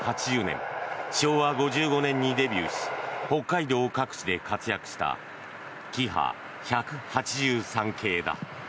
昭和５５年にデビューし北海道各地で活躍したキハ１８３系だ。